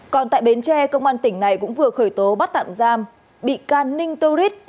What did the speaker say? còn tại bến tre công an tỉnh này cũng vừa khởi tố bắt tạm giam bị can ninh turit